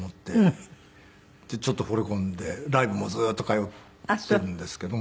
でちょっとほれ込んでライブもずーっと通っているんですけども。